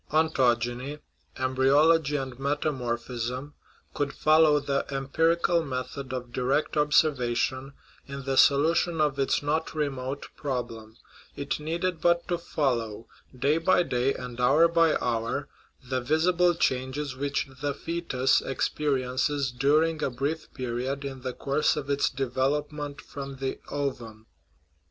Ontogeny (embryology and metamorphism) could follow the empirical method of direct observation in the solution of its not remote problem ; it needed but to fol low, day by day and hour by hour, the visible changes which the foetus experiences during a brief period in the course of its development from the ovum.